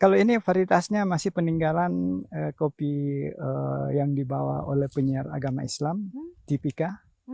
kalau ini varietasnya masih peninggalan kopi yang dibawa oleh penyiar agama islam tipika